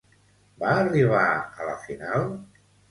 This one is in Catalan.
Va arribar a la final?